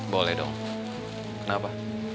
boleh dong kenapa